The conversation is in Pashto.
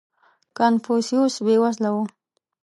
• کنفوسیوس بېوزله و.